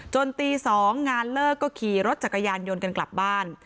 ตี๒งานเลิกก็ขี่รถจักรยานยนต์กันกลับบ้าน